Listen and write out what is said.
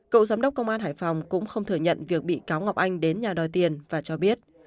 cựu giám đốc công an hải phòng cũng không thừa nhận việc bị cáo ngọc anh đến nhà đòi tiền và cho biết